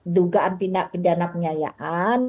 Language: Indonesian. dugaan tindak pidana penyayaan